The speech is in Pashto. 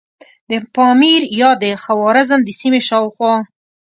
د پامیر یا د خوارزم د سیمې شاوخوا.